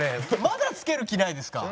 まだつける気ないですか？